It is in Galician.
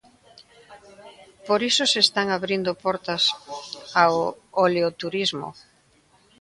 Por iso se están abrindo portas ao oleoturismo.